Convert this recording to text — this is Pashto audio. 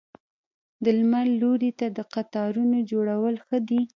د لمر لوري ته د قطارونو جوړول ښه دي؟